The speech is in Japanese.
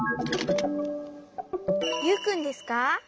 ユウくんですか？